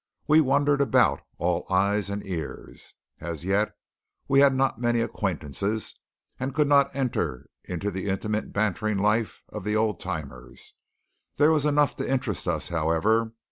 We wandered about, all eyes and ears. As yet we had not many acquaintances, and could not enter into the intimate bantering life of the old timers. There was enough to interest us, however.